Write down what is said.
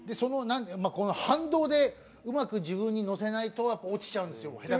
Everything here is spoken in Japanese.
反動で、うまく自分に乗せないと落ちちゃうんです。